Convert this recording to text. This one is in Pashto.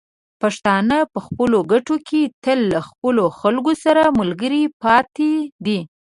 پښتانه په خپلو ګټو کې تل له خپلو خلکو سره ملګري پاتې دي.